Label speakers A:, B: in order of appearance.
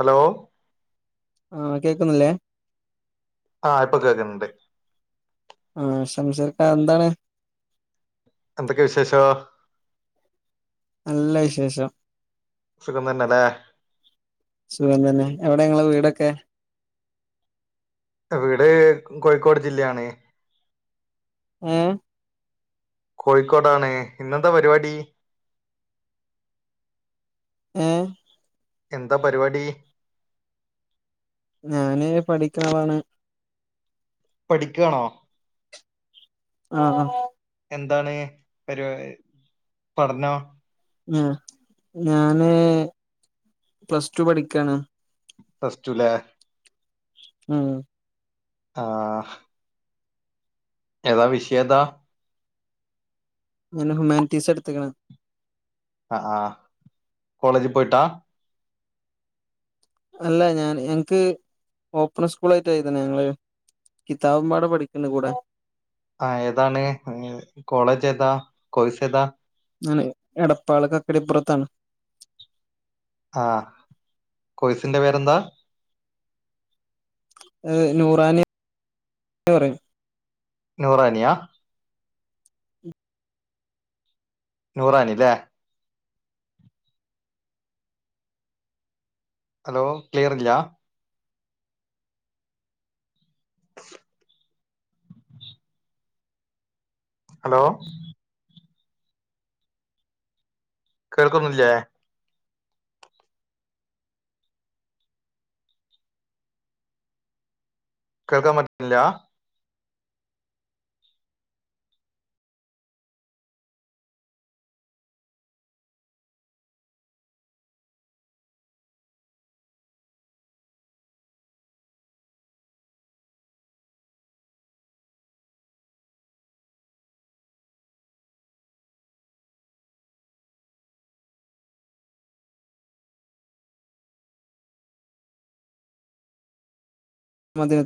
A: Hello
B: ആഹ് കേക്കുന്നില്ലേ?
A: ആഹ് ഇപ്പൊ കേക്ക്ന്ന് ണ്ട്.
B: ആഹ്! ! ! ! എന്താണ്?
A: എന്തൊക്കെ വിശേഷോ?
B: നല്ല വിശേഷം.
A: സുഖം തന്നെ ലേ
B: സുഖം തന്നെ, എവിടെ ങ്ങളെ വീടൊക്കെ?
A: വീട്, കോയിക്കോട് ജില്ലയാണ്.
B: ഊം?
A: കോഴിക്കോടാണ്. ഇന്നെന്താ പരിപാടി?
B: ഏഹ്?
A: എന്താ പരിപാടീ?
B: ഞാന് പഠിക്ക്ണാളാണ്.
A: പഠിക്കാണോ?
B: ആഹ് ആഹ്
A: എന്താണ് പരിപാ, പഠനോം?
B: ഞാ ഞാന്, പ്ലസ് ടു പഠിക്കാണ്.
A: പ്ലസ് ടു ലേ?
B: ഉം
A: ആഹ് ഏതാ വിഷ് യേതാ?
B: ഞാന് ഹുമാൻറ്റീസാ ഇട്ത്ക്ണ്.
A: അഹ് ആഹ്, കോളേജി പോയിട്ടാ?
B: അല്ല ഞാൻ എൻക്ക്, ഓപ്പൺ സ്കൂളായിട്ട എയ്ത്ണത് ഞങ്ങള് കിതാബും പാടെ പഠിക്ക്ണ്ട് കൂടെ
A: ആഹ് ഏതാണ് കോളേജേതാ, കോഴ്സേതാ?
B: ഞാന് എടപ്പാള് കക്കടിപ്പുറത്താണ്.
A: ആഹ്, കൊഴ്സിന്റെ പേരെന്താ?
B: അത് നൂറാനി [inaudible] പറയും.
A: നൂറാനിയാ? നൂറാനി ലേ ഹലോ ക്ലിയറില്ലാ? ഹലോ കേൾക്കുന്നില്ലേ? കേൾക്കാൻ പറ്റ്ന്നില്ലാ?
B: [unintelligible]